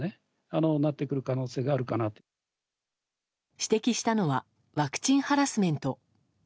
指摘したのはワクチンハラスメント。